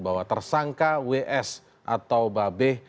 bahwa tersangka ws atau babeh